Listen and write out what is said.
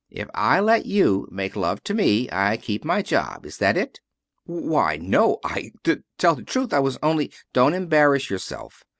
If I let you make love to me, I keep my job. Is that it?" "Why no I to tell the truth I was only " "Don't embarrass yourself.